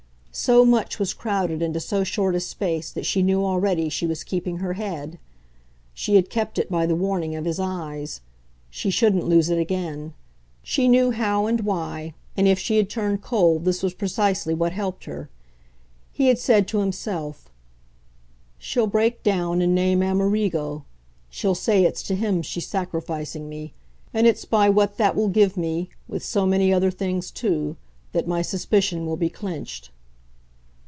So much was crowded into so short a space that she knew already she was keeping her head. She had kept it by the warning of his eyes; she shouldn't lose it again; she knew how and why, and if she had turned cold this was precisely what helped her. He had said to himself "She'll break down and name Amerigo; she'll say it's to him she's sacrificing me; and its by what that will give me with so many other things too that my suspicion will be clinched."